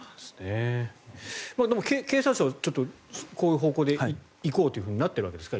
経産省はこういう方向で行こうとなっているわけですか？